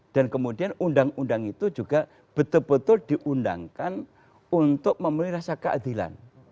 dan kemudian undang undang itu juga betul betul diundangkan untuk memiliki rasa keadilan